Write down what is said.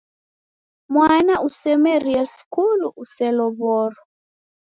Mwana usemerie skulu uselow'oro.